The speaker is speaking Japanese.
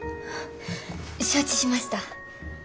承知しました。